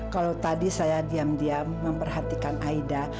kalau tadi saya diam diam memperhatikan aida